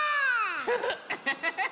フフウフフフフ！